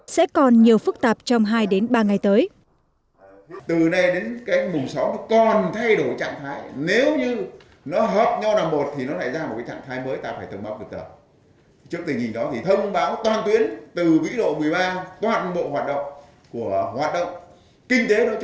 sẽ còn nhiều phức tạp trong hai ba ngày tới